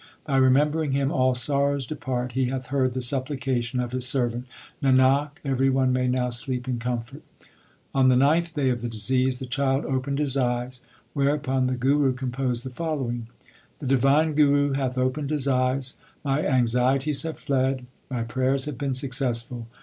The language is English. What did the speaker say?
By remembering Him all sorrows depart. He hath heard the supplication of His servant ; Nanak, every one may now sleep in comfort. 1 On the ninth day of the disease the child opened his eyes, whereupon the Guru composed the fol lowing : The divine Guru hath opened his eyes, My anxieties have fled, my prayers have been successful.